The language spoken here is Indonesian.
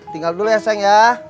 tinggal dulu ya sayang ya